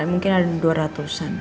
mungkin ada dua ratusan